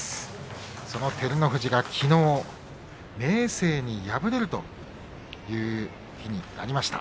その照ノ富士がきのう明生に敗れるという日になりました。